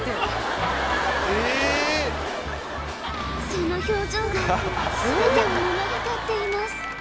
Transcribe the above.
その表情が全てを物語っています